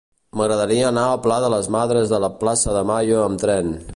M'agradaria anar al pla de les Madres de la Plaza de Mayo amb tren.